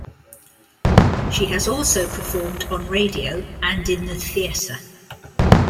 She has also performed on radio and in the theatre.